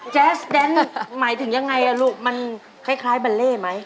แสแดนหมายถึงยังไงลูกมันคล้ายบัลเล่ไหม